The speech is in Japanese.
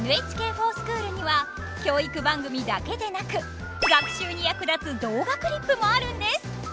ＮＨＫｆｏｒＳｃｈｏｏｌには教育番組だけでなく学習に役立つ動画クリップもあるんです！